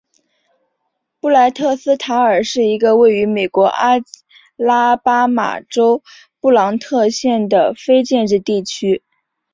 布赖特斯塔尔是一个位于美国阿拉巴马州布朗特县的非建制地区。